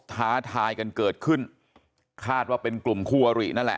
ท้าทายกันเกิดขึ้นคาดว่าเป็นกลุ่มคู่อรินั่นแหละ